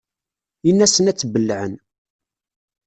In-asen ad tt-bellɛen.